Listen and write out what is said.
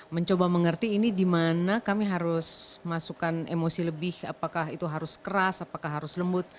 mencoba mengerti ini dimana kami harus masukkan emosi lebih apakah itu harus keras apakah harus lembut